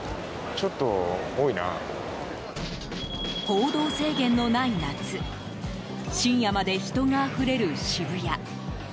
行動制限のない夏深夜まで人があふれる渋谷。